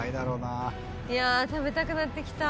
「いや食べたくなってきた」